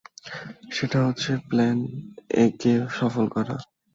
সেটা হচ্ছে plan A কে সফল করা।